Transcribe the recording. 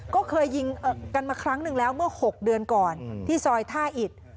ก็เคยยิงกันมาครั้งหนึ่งแล้วเมื่อ๖เดือนก่อนที่ซอยท่าอิด